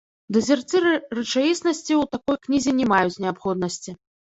Дэзерціры рэчаіснасці ў такой кнізе не маюць неабходнасці.